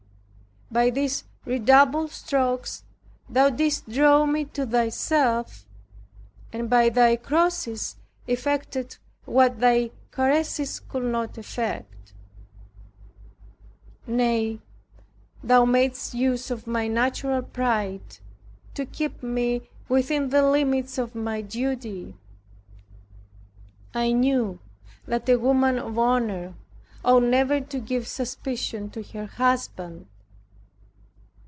By these redoubled strokes Thou didst draw me to Thyself, and by Thy crosses effected what Thy caresses could not effect. Nay, Thou madest use of my natural pride, to keep me within the limits of my duty. I knew that a woman of honor ought never to give suspicion to her husband.